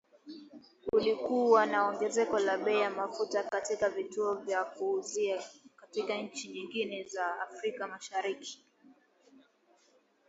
Kulikuwa na ongezeko la bei ya mafuta katika vituo vya kuuzia katika nchi nyingine za Afrika Mashariki, ,